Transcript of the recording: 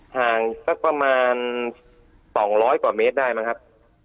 ห่างสักประมาณ๒๐๐กว่าเมตรได้มั้งครับ